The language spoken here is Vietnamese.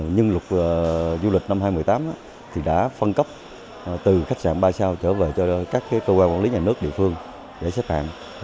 nhưng luật du lịch năm hai nghìn một mươi tám thì đã phân cấp từ khách sạn ba sao trở về cho các cơ quan quản lý nhà nước địa phương để xếp hạng